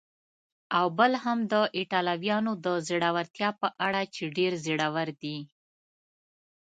او بل هم د ایټالویانو د زړورتیا په اړه چې ډېر زړور دي.